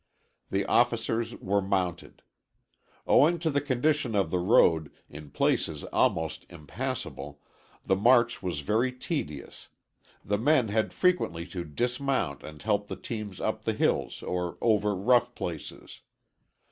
The officers were mounted. Owing to the condition of the road, in places almost impassable, the march was very tedious; the men had frequently to dismount and help the teams up the hills or over rough places.